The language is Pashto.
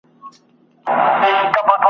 یو څه به پند وي یو څه عبرت دی !.